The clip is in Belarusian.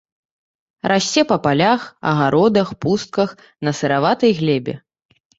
Расце па палях, агародах, пустках, на сыраватай глебе.